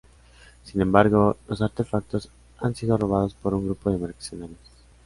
Sin embargo, los artefactos han sido robados por un grupo de mercenarios.